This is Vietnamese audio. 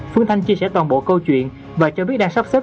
phương thanh chia sẻ toàn bộ câu chuyện và cho biết đang sắp xếp